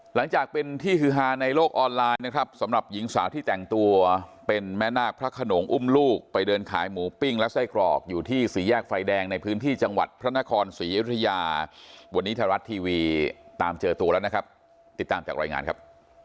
หลังจากเป็นที่ฮือฮาในโลกออนไลน์นะครับสำหรับหญิงสาวที่แต่งตัวเป็นแม่นาคพระขนงอุ้มลูกไปเดินขายหมูปิ้งและไส้กรอกอยู่ที่สี่แยกไฟแดงในพื้นที่จังหวัดพระนครศรีอยุธยาวันนี้ไทยรัฐทีวีตามเจอตัวแล้วนะครับติดตามจากรายงานครับ